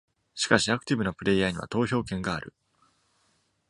しかし、アクティブなプレイヤーには投票権がある。